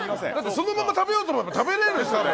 そのまま食べようと思えば食べられるでしょ。